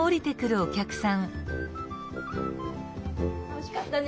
おいしかったね。